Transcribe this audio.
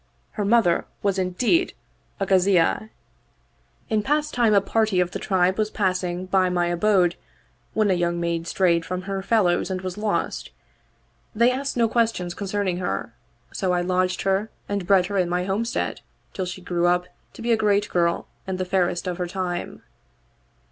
Her mother in deed was a Ghaziyah : in past time a party of the tribe was 32 The Craft of the Three Sharpers passing by my abode when a young maid strayed from her fellows and was lost. They asked no questions concerning her ; so I lodged her and bred her in my homestead till she grew up to be a great girl and the fairest of her time.